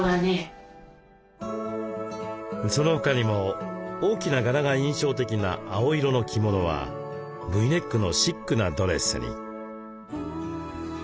その他にも大きな柄が印象的な青色の着物はＶネックのシックなドレスに。